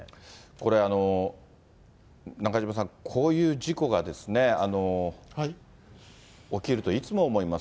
これ、中島さん、こういう事故が起きると、いつも思います。